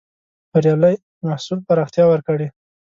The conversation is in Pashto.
بریالي محصول پراختيا ورکړې.